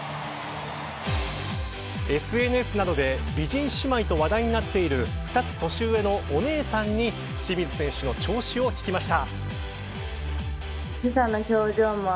ＳＮＳなどで美人姉妹と話題になっている２つ年上のお姉さんに清水選手の調子を聞きました。